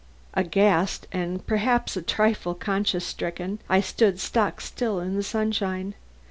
Aghast and perhaps a trifle conscience stricken, I stood stock still in the sunshine.